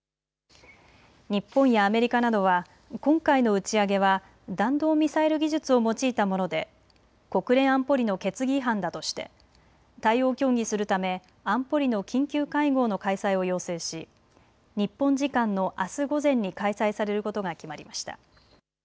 日本やアメリカなどは今回の打ち上げは弾道ミサイル技術を用いたもので国連安保理の決議違反だとして対応を協議するため安保理の緊急会合の開催を要請し、日本時間のあす午前に開催されることが決まりました。